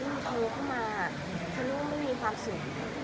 ถ้าฉันไม่โทรเข้ามาฉันไม่มีความสุข